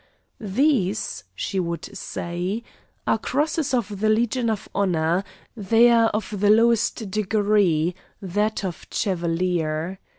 "These," she would say, "are crosses of the Legion of Honor; they are of the lowest degree, that of chevalier.